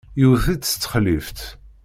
Yewwet-itt s texlift.